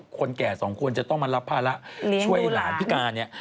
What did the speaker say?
คนแก่สองคนจะต้องมารับภาระช่วยหลานพิการเนี่ย